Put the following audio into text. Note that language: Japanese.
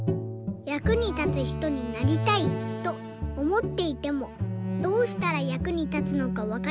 「役に立つひとになりたいとおもっていてもどうしたら役に立つのかわかりません。